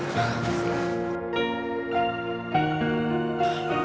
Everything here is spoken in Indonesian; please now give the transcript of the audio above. gue udah kelas